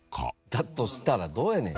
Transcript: だとしたらどうやねん。